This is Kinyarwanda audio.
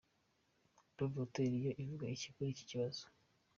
Dove Hotel yo ivuga iki kuri iki kibazo ?.